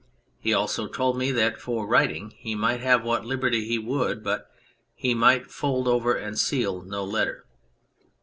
He also told me that for writing he might have what liberty he would, but that he might fold over and seal no letter.